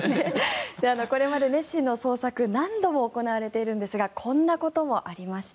これまでネッシーの捜索何度も行われているんですがこんなこともありました。